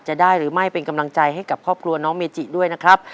จะได้หรือไม่เป็นกำลังใจให้กับครอบครัวน้องเมจิด้วยนะครับ